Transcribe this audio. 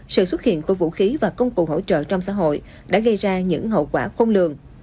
sự xuất hiện của vũ khí và công cụ hỗ trợ trong xã hội đã gây ra những hậu quả khôn lường